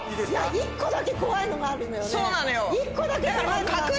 １個だけ怖いのがあるのよ。